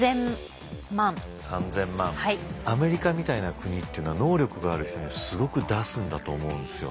アメリカみたいな国っていうのは能力がある人にはすごく出すんだと思うんですよ。